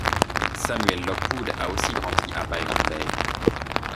Samuel Lockwood a aussi grandi à Byron Bay.